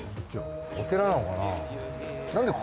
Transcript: お寺なのかな？